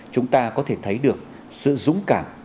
chúng ta có thể thấy được sự dũng cảm